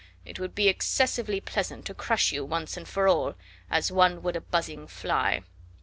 It would be excessively pleasant to crush you once and for all, as one would a buzzing fly."